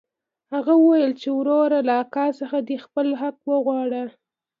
هغه وويل چې وروره له اکا څخه دې خپل حق وغواړه.